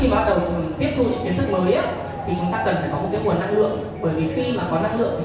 khi bắt đầu viết thu những kiến thức mới chúng ta cần có nguồn năng lượng